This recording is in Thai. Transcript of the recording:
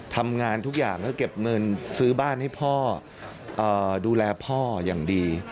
ทำงานทุกอย่างก็เก็บเงินซื้อบ้านให้พ่อดูแลพ่ออย่างดี